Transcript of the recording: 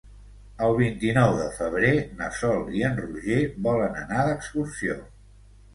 El vint-i-nou de febrer na Sol i en Roger volen anar d'excursió.